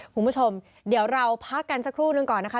คุณผู้ชมเดี๋ยวเราพักกันสักครู่นึงก่อนนะคะ